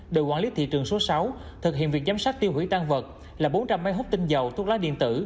đội quản lý thị trường số sáu thực hiện việc giám sát tiêu hủy tan vật là bốn trăm linh máy hút tinh dầu thuốc lá điện tử